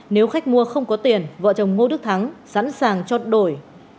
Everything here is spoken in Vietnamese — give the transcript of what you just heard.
nếu khách mua không có tiền vợ chồng ngô đức thắng sẵn sàng cho đổi